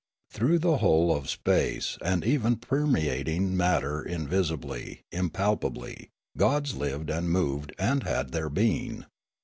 Through the whole of space, and even permeating matter in visibly, impalpably, gods lived and moved and had their being.